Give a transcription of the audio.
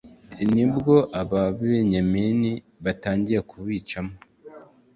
ni bwo ababenyamini batangiye kubicamo